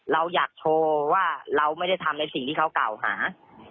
เราอยากโชว์ว่าเราไม่ได้ทำในสิ่งที่เขากล่าวหา